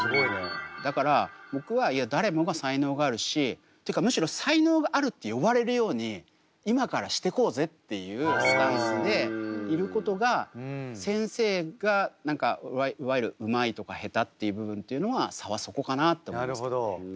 だから僕はいや誰もが才能があるしってかむしろ才能があるって言われるように今からしてこうぜっていうスタンスでいることが先生が何かいわゆるうまいとかへたっていう部分というのは差はそこかなって思いますけどね。